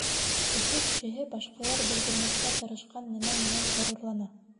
Өфө кешеһе башҡалар белдермәҫкә тырышҡан нәмә менән ғорурлана.